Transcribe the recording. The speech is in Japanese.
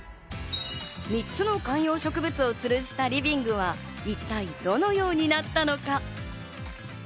３つの観葉植物をつるしたリビングは、一体どのようになったのか？